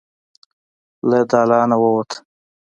له دالانه ووت.